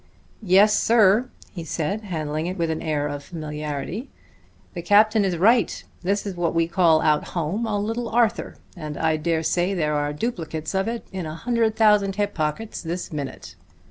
"Yes, sir," he said, handling it with an air of familiarity, "the captain is right. This is what we call out home a Little Arthur, and I dare say there are duplicates of it in a hundred thousand hip pockets this minute.